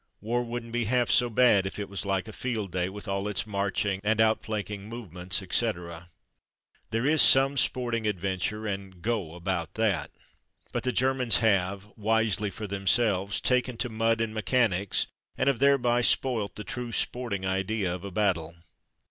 War wouldn't be half so bad if it was like a field day, with all its marching and ''outflanking movements,'' etc. There is some sporting adventure and 50 From Mud to Mufti "go'' about that. But the Germans have, wisely for themselves, taken to mud and me chanics and have thereby spoilt the true sporting idea of a battle.